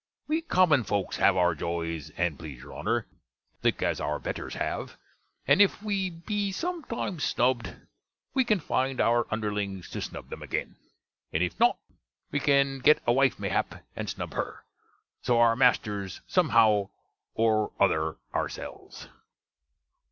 We common fokes have our joys, and plese your Honner, lick as our betters have; and if we be sometimes snubbed, we can find our underlings to snub them agen; and if not, we can get a wife mayhap, and snub her: so are masters some how or other oursells.